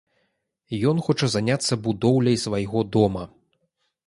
Ён хоча заняцца будоўляй свайго дома.